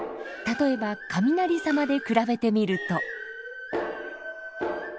例えば雷様で比べてみると。